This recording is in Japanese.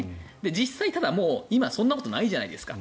実際、今はそんなことないじゃないですか。